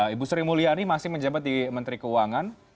ibu sri mulyani masih menjabat di menteri keuangan